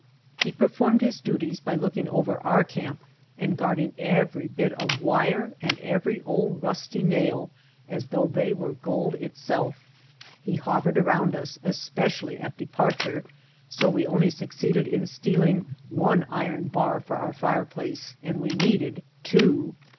He performed his duties by looking over our camp and guarding every bit of wire and every old rusty nail as though they were gold itself. He hovered around us, especially at departure, so we only succeeded in stealing one iron bar for our fireplace, and we needed two.